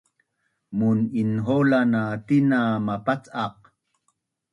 Mun’inhaulan na tina mapac’aq